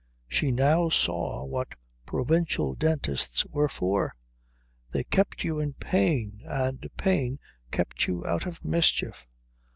She now saw what provincial dentists were for: they kept you in pain, and pain kept you out of mischief.